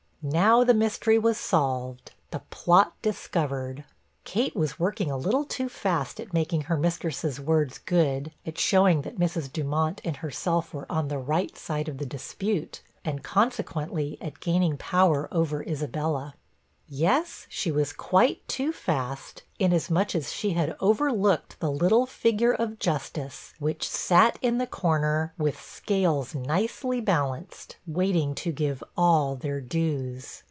Now the mystery was solved, the plot discovered! Kate was working a little too fast at making her mistress's words good, at showing that Mrs. Dumont and herself were on the right side of the dispute, and consequently at gaining power over Isabella. Yes, she was quite too fast, inasmuch as she had overlooked the little figure of justice, which sat in the comer, with scales nicely balanced, waiting to give all their dues.